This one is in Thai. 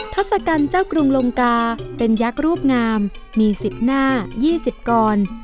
ทศกัณฐ์เจ้ากรุงลงกาเป็นยักษ์รูปงามมี๑๐หน้า๒๐กร